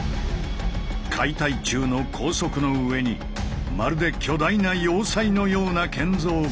解体中の高速の上にまるで巨大な要塞のような建造物が！